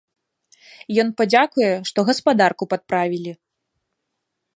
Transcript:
Ён падзякуе, што гаспадарку падправілі.